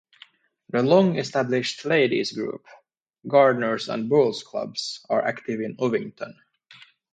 The long established ladies' group, gardener's and bowls clubs are active in Ovington.